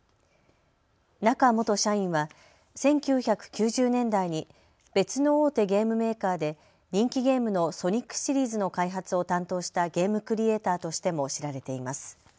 中元社員は１９９０年代に別の大手ゲームメーカーで人気ゲームのソニックシリーズの開発を担当したゲームクリエーターとしても知られています。